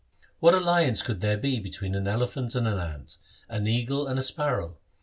What alliance could there be between an elephant and an ant, an eagle and a sparrow ?